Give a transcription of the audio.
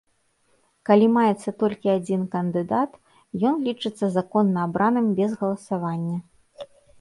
Калі маецца толькі адзін кандыдат, ён лічыцца законна абраным без галасавання.